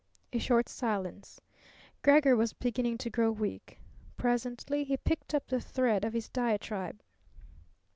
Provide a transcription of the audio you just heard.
A short silence. Gregor was beginning to grow weak. Presently he picked up the thread of his diatribe.